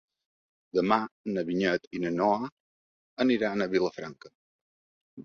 Demà na Vinyet i na Noa aniran a Vilafranca.